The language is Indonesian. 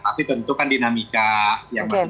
tapi tentukan dinamika yang masih